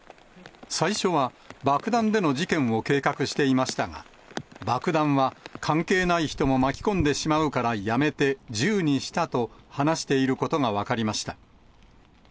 最初は、爆弾での事件を計画していましたが、爆弾は関係ない人も巻き込んでしまうからやめて銃にしたと話していることが分かりました。